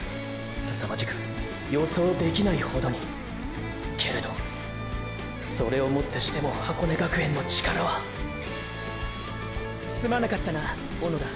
すさまじく予想できないほどにーーけれどそれをもってしても箱根学園の力はーーすまなかったな小野田。